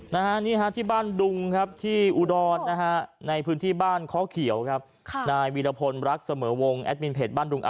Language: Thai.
ลึกมากพี่ก๊อบลึกมากเลยมันเป็นหม่อแบบบ่อน้ำบาดานอ่ะอ๋อ